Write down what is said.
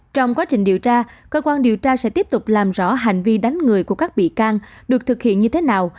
trong quá trình điều tra cơ quan điều tra sẽ tiếp tục làm rõ hành vi đánh người của các bị can được thực hiện như thế nào